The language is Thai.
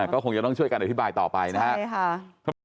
ก็คงจะต้องช่วยกันอธิบายต่อไปนะครับ